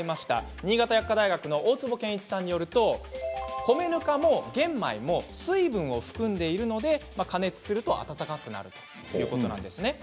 新潟薬科大学の大坪さんによると米ぬかも玄米も水分を含んでいるので加熱すると温かくなるということなんですね。